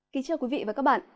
kính chào quý vị và các bạn